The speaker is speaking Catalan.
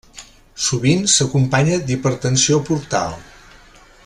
Sovint s'acompanya d'hipertensió portal.